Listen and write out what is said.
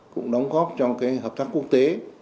cũng đóng góp cho hợp tác quốc tế